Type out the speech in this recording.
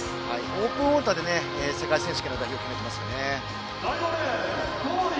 オープンウォーターで世界選手権代表を決めていますね。